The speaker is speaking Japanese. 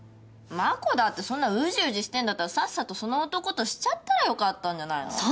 真子だってそんなうじうじしてんだったらさっさとその男としちゃったらよかったんじゃないの？